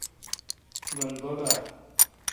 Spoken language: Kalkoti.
گین بب اؘ۔